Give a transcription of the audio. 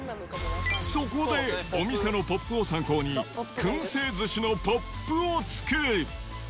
そこで、お店のポップを参考に、くん製寿司のＰＯＰを作る。